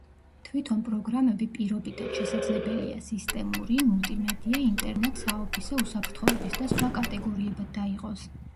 თვითონ პროგრამები პირობითად, შესაძლებელია: სისტემური, მულტიმედია, ინტერნეტ, საოფისე, უსაფრთხოების და სხვა კატეგორიებად დაიყოს.